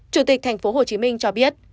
chủ tịch tp hcm cho biết